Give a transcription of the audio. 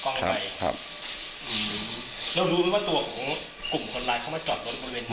ขอกล้องไปครับอืมแล้วดูไม่ว่าตัวของกลุ่มคนร้ายเขามาจอดรถบนเวนไหน